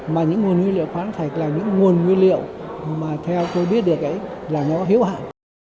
mà những nguồn nguyên liệu khoáng thạch là những nguồn nguyên liệu mà theo tôi biết được ấy là nó hiếu hạn